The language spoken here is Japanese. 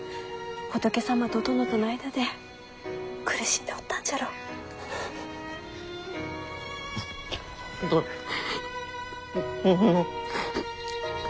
仏様と殿との間で苦しんでおったんじゃろ。との。